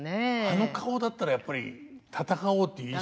あの顔だったらやっぱり戦おうっていう。